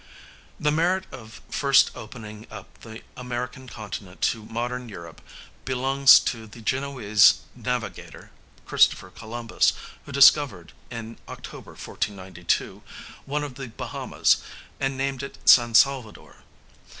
The merit of first opening up the American continent to modern Europe belongs to the Genoese navigator Christopher Columbus, who discovered, in Oct., 1492, one of the Bahamas, and named it San Salvador.